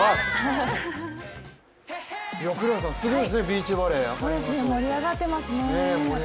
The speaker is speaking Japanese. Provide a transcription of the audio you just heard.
すごいですね、ビーチバレー、赤レンガ倉庫。盛り上がってますね。